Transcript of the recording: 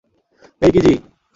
এই, কিজি।